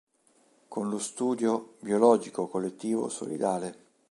Con lo studio "Biologico, collettivo, solidale.